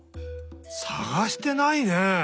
さがしてないね。